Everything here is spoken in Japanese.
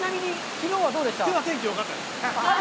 きのうは天気よかったです。